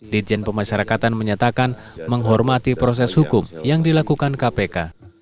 dijen pemasyarakatan menyatakan menghormati proses hukum yang dilakukan kpk